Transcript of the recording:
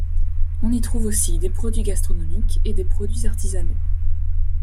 On y trouve aussi des produits gastronomiques et des produits artisanaux.